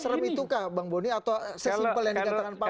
seserem itu kak bang boni atau sesimpel yang dikatakan pak bos ini